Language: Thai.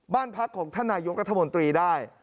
บ้านพักของท่านนายกรัฐมนตรีได้